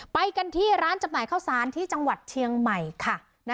ไปกันที่ร้านจำหน่ายข้าวสารที่จังหวัดเชียงใหม่ค่ะ